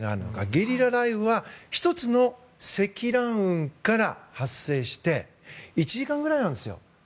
ゲリラ雷雨は１つの積乱雲から発生して１時間ぐらいなんですよ。